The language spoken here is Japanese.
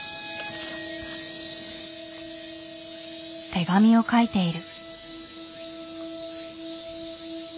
手紙を書いている。